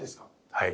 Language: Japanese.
はい。